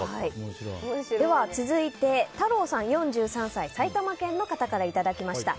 続いて、４３歳埼玉県の方からいただきました。